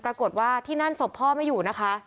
ปรากฏว่าที่นั่นศพพ่อไม่อยู่นะคะ